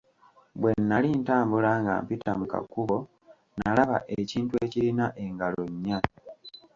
Bwe nnali ntambula nga mpita mu kakubo, nnalaba ekintu ekirina engalo nnya.